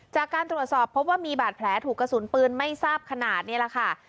จากการตรวจสอบพบว่ามีบาดแผลถูกกระสุนปืนไม่ทราบขนาดนี่แหละค่ะ